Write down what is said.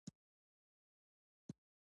ښتې د افغانستان د تکنالوژۍ پرمختګ سره تړاو لري.